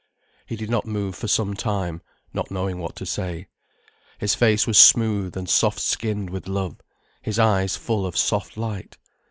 He did not move for some time, not knowing what to say. His face was smooth and soft skinned with love, his eyes full of soft light.